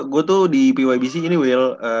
gue tuh di pybc ini will